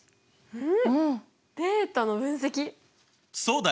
うん。